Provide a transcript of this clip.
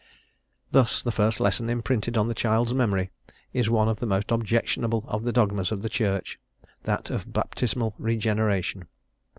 Thus, the first lesson imprinted on the child's memory is one of the most objectionable of the dogmas of the Church, that of baptismal regeneration.